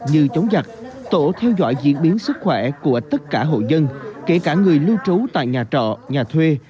như chống giặc tổ theo dõi diễn biến sức khỏe của tất cả hộ dân kể cả người lưu trú tại nhà trọ nhà thuê